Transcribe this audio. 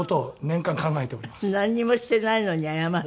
なんにもしてないのに謝る？